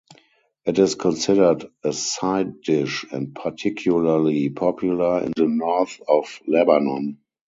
It is considered a side dish and particularly popular in the north of Lebanon.